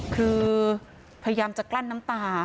คือพยายามจะกลั้นน้ำตา